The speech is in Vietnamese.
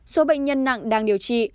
số bệnh nhân nặng đang điều trị